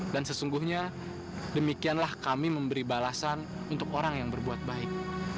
dan sesungguhnya demikianlah kami memberi balasan untuk orang yang berbuat baik